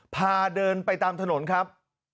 พาเดินไปตามถนนครับ